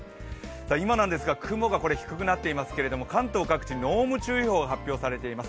今なんですが、雲が低くなっていますが関東各地、濃霧注意報が出ています。